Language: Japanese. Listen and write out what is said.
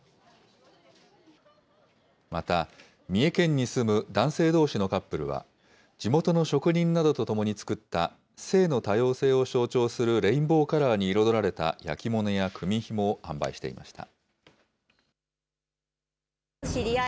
また、三重県に住む男性どうしのカップルは、地元の職人などと共に作った、性の多様性を象徴するレインボーカラーに彩られた焼き物や組みひもを販売していました。